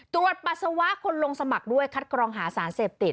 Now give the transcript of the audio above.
ปัสสาวะคนลงสมัครด้วยคัดกรองหาสารเสพติด